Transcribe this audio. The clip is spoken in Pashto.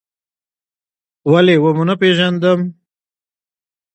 ولې و مو نه پېژندم؟